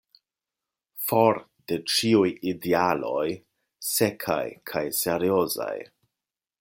For de ĉiuj idealoj sekaj kaj seriozaj!"